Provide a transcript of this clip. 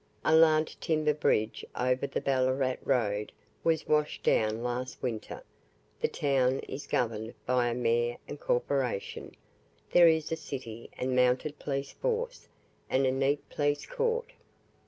A large timber bridge over the Ballarat road was washed down last winter. The town is governed by a mayor and corporation. There is a city and mounted police force, and a neat police court.